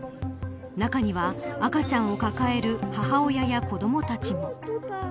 中には、赤ちゃんを抱える母親や子どもたちも。